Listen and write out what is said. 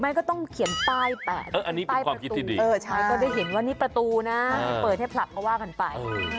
ไม่อยากคิดเดี๋ยวจะโกรธกันเปล่า